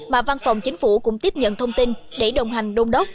mà văn phòng chính phủ cũng tiếp nhận thông tin để đồng hành đông đốc